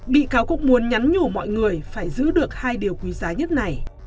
bị cáo cũng muốn nhắn nhủ mọi người phải giữ được hai điều quý giá nhất này